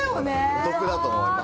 お得だと思います。